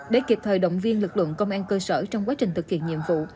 để kịp thời động viên lực lượng công an cơ sở trong quá trình thực hiện nhiệm vụ